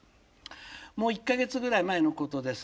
「もう１か月ぐらい前のことです。